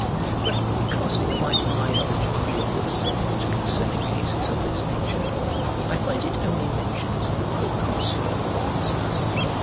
But upon casting my eye on the decree of the senate concerning cases of this nature, I find it only mentions the proconsular provinces.